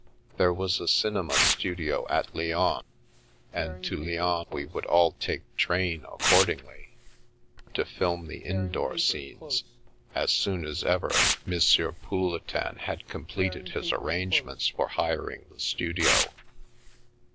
There was a cinema studio at Lyons, and to Lyons we would all take train accord ingly* to film the indoor scenes, as soon as ever M. Poule 29S The Milky Way tin had completed his arrangements for hiring the studio.